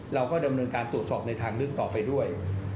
เราก็ดำเนินการตรวจสอบในทางเลือกต่อไปด้วย